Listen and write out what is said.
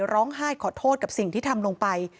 ร้องไห้ขอโทษกับสิ่งที่ทำลงไป